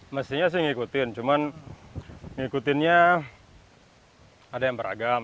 mestinya sih ngikutin cuman ngikutinnya ada yang beragam